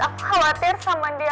aku khawatir sama dia